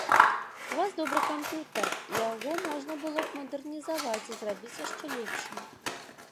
У вас добры кампутар, яго можна было бы мадэрнізаваць і зрабіць яшчэ лепшым.